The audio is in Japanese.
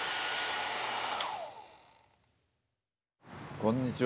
こんにちは。